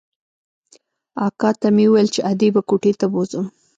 اکا ته مې وويل چې ادې به کوټې ته بوځم.